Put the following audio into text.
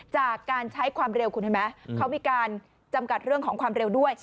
จากการใช้ความเร็วคุณเห็นไหมเขามีการจำกัดเรื่องของความเร็วด้วย